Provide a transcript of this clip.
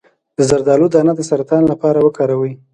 د زردالو دانه د سرطان لپاره وکاروئ